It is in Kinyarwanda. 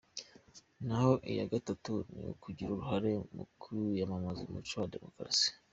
Naho iya gatatu ni ukugira uruhare mu kwimakaza umuco wa demokarasi.